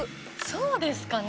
そうですかね？